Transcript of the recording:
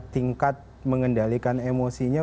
tingkat mengendalikan emosinya